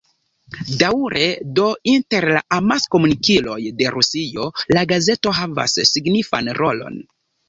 Daŭre do inter la amaskomunikiloj de Rusio la gazeto havas signifan rolon.